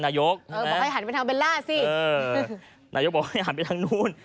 นายกบอกว่าเขาก็หันไปทางนู้น